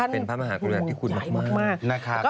เป็นภาพมหาคุณหญิงใหญ่มาก